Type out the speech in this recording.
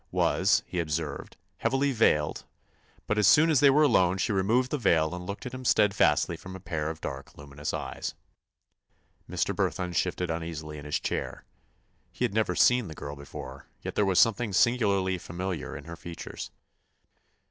—was, he observed, heavily veiled, but as soon as they were alone she removed the veil and looked at him steadfastly from a pair of dark, luminous eyes. Mr. Burthon shifted uneasily in his chair. He had never seen the girl before, yet there was something singularly familiar in her features.